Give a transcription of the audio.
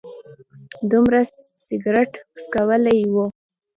دومره سګرټ څکولي و.